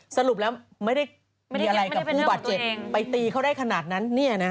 สรุปแล้วไม่ได้มีอะไรกับผู้บาดเจ็บไปตีเขาได้ขนาดนั้น